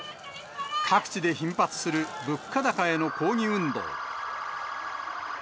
各地で頻発する物価高への抗議運動。